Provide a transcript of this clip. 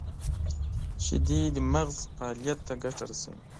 • شیدې د مغز فعالیت ته ګټه رسوي.